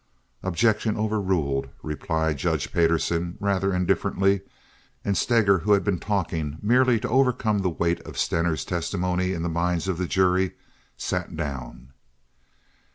"Objection overruled," replied Judge Payderson, rather indifferently; and Steger who had been talking merely to overcome the weight of Stener's testimony in the minds of the jury, sat down.